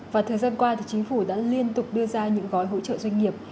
và thời gian qua thì chính phủ đã liên tục đưa ra những gói hỗ trợ doanh nghiệp